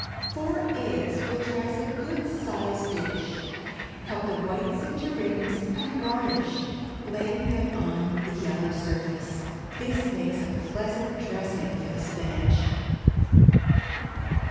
Four eggs will dress a good sized dish. Cut the whites into rings and garnish, laying them on the yellow surface. This makes a pleasant dressing for the spinach.